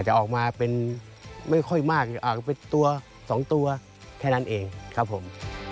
จะออกมาเป็นไม่ค่อยมากเป็นตัว๒ตัวแค่นั้นเองครับผม